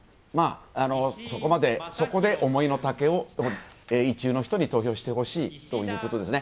そこで思いの丈を意中の人に投票してほしいということですね。